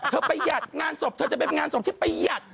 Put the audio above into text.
ประหยัดงานศพเธอจะเป็นงานศพที่ประหยัด